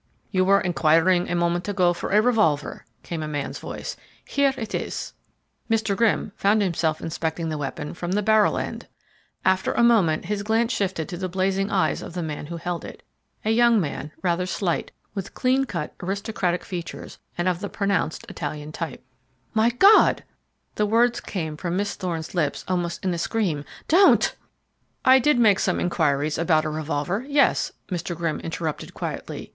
"You were inquiring a moment ago for a revolver," came in a man's voice. "Here it is!" Mr. Grimm found himself inspecting the weapon from the barrel end. After a moment his glance shifted to the blazing eyes of the man who held it a young man, rather slight, with clean cut, aristocratic features, and of the pronounced Italian type. [Illustration: He found himself inspecting the weapon from the barrel end.] "My God!" The words came from Miss Thorne's lips almost in a scream. "Don't !" "I did make some inquiries about a revolver, yes," Mr. Grimm interrupted quietly.